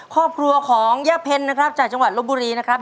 ครอบครัวของย่าเพ็ญนะครับจากจังหวัดลบบุรีนะครับ